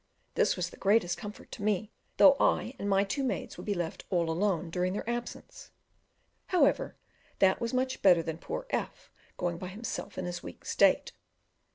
This was the greatest comfort to me, though I and my two maids would be left all alone during their absence: however, that was much better than poor F going by himself in his weak state.